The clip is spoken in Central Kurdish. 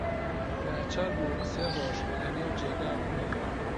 ناچار بووم سێ ڕۆژ لەنێو جێگا بمێنمەوە.